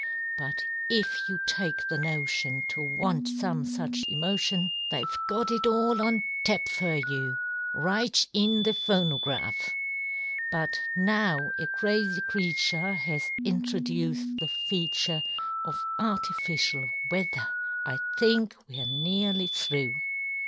But if you take the notion to want some such emotion, TheyŌĆÖve got it all on tap fur you, right in the phonograph. But now a crazy creature has introduced the feature Of artificial weather, I think weŌĆÖre nearly through.